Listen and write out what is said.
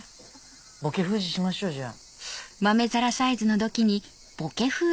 ぼけ封じしましょじゃあ。